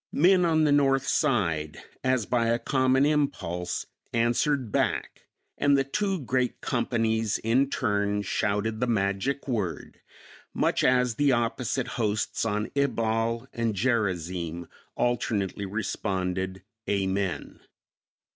Men on the north side, as by a common impulse, answered back, and the two great companies in turn shouted the magic word, much as the opposite hosts on Ebal and Gerazim alternately responded, "Amen."